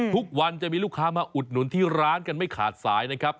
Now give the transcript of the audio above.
ทุกวันจะมีลูกค้ามาอุดหนุนที่ร้านกันไม่ขาดสายนะครับ